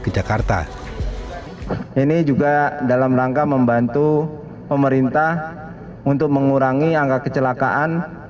ke jakarta ini juga dalam rangka membantu pemerintah untuk mengurangi angka kecelakaan